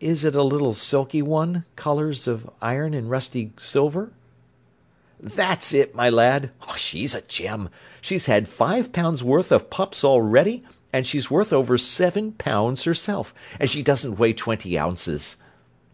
"Is it a little silky one—colours of iron and rusty silver?" "That's it, my lad. She's a gem. She's had five pounds' worth of pups already, and she's worth over seven pounds herself; and she doesn't weigh twenty ounces."